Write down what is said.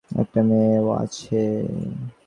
ওখানে একটা মেয়েও আছে?